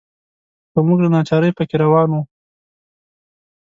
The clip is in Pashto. خو موږ له ناچارۍ په کې روان وو.